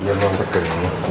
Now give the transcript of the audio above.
iya bang betul